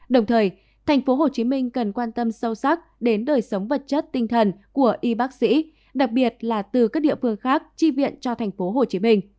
đồng thời tp hcm cần quan tâm sâu sắc đến đời sống vật chất tinh thần của y bác sĩ đặc biệt là từ các địa phương khác chi viện cho tp hcm